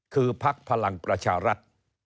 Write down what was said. คือพักพลังประชารัฐ